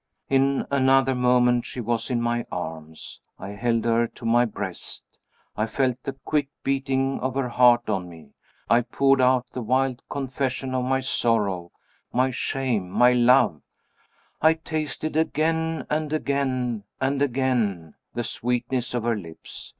In another moment she was in my arms. I held her to my breast I felt the quick beating of her heart on me I poured out the wild confession of my sorrow, my shame, my love I tasted again and again and again the sweetness of her lips.